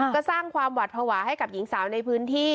ก็สร้างความหวัดภาวะให้กับหญิงสาวในพื้นที่